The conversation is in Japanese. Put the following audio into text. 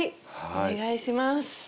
お願いします。